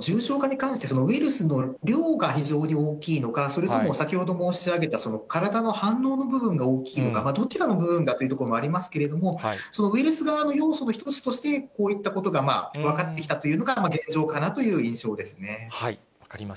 重症化に関して、ウイルスの量が非常に大きいのか、それとも先ほど申し上げた、体の反応の部分が大きいのか、どちらの部分かというところもありますけれども、そのウイルス側の要素の一つとして、こういったことが分かってきたというのが、分かりました。